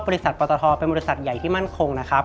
เพราะว่าบริษัทปตทเป็นบริษัทใหญ่ที่มั่นคงนะครับ